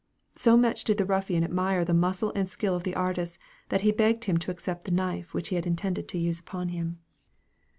So much did the ruffian admire the muscle and skill of the artist, that he begged him to accept the knife which he had intended to use upon him.